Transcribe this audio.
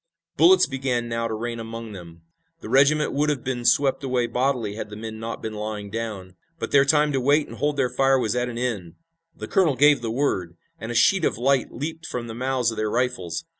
Bullets began now to rain among them. The regiment would have been swept away bodily had the men not been lying down. But their time to wait and hold their fire was at an end. The colonel gave the word, and a sheet of light leaped from the mouths of their rifles.